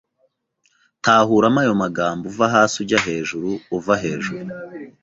Tahuramo ayo magamo uva hasi ujya hejuru uva hejuru